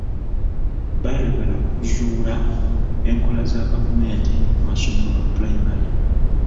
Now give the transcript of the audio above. Baayagala okuzuula enkola za gavumenti mu masomero ga pulayimale.